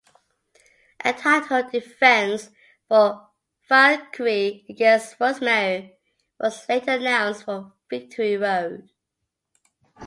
A title defense for Valkyrie against Rosemary was later announced for Victory Road.